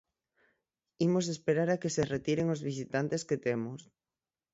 Imos esperar a que se retiren os visitantes que temos.